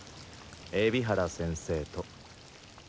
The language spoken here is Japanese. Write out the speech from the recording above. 海老原先生と。